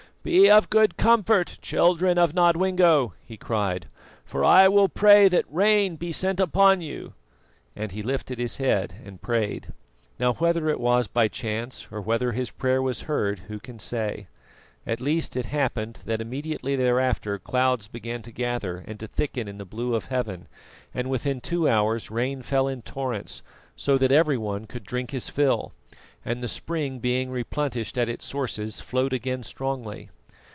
"Be of good comfort, children of Nodwengo," he cried; "for I will pray that rain be sent upon you." And he lifted his head and prayed. Now, whether it was by chance or whether his prayer was heard, who can say? At least it happened that immediately thereafter clouds began to gather and to thicken in the blue of Heaven, and within two hours rain fell in torrents, so that every one could drink his fill, and the spring being replenished at its sources, flowed again strongly.